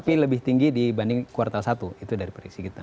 tapi lebih tinggi dibanding kuartal satu itu dari prediksi kita